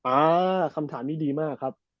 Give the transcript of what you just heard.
อ่าคำถามนี้ดีมากครับ